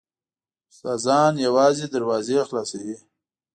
استادان یوازې دروازې خلاصوي .